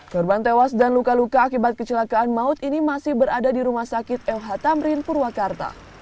korban tewas dan luka luka akibat kecelakaan maut ini masih berada di rumah sakit lh tamrin purwakarta